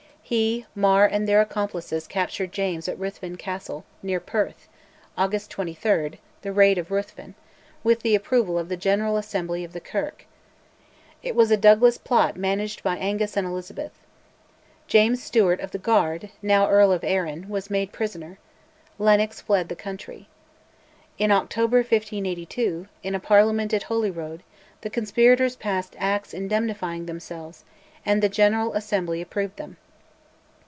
He, Mar, and their accomplices captured James at Ruthven Castle, near Perth (August 23, "the Raid of Ruthven"), with the approval of the General Assembly of the Kirk. It was a Douglas plot managed by Angus and Elizabeth. James Stewart of the Guard (now Earl of Arran) was made prisoner; Lennox fled the country. In October 1582, in a Parliament at Holyrood, the conspirators passed Acts indemnifying themselves, and the General Assembly approved them.